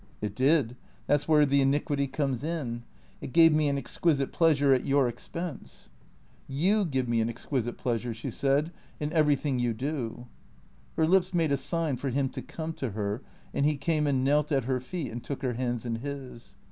" It did. That 's where the iniquity comes in. It gave me an exquisite pleasure at your expense." THECKEATORS 425 " You give me an exquisite pleasure," she said, " in every thing you do." Her lips made a sign for him to come to her, and he came and knelt at her feet and took her hands in his.